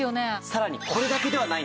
さらに。